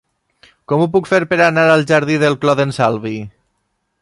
Com ho puc fer per anar al jardí del Clot d'en Salvi?